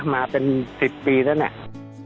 มาเป็น๑๐ปีแล้วเนี่ย